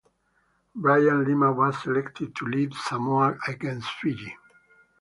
Brian Lima was selected to lead Samoa against Fiji.